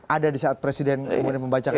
ada di saat presiden kemudian membacakan